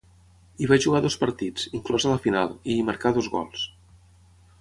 Hi va jugar dos partits, inclosa la final, i hi marcà dos gols.